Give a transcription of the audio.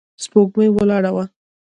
سپوږمۍ ولاړه وه.